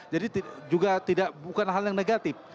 jadi bukan hal yang negatif